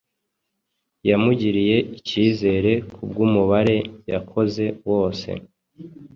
wamugiriye icyizere kubw’umubare yakoze wose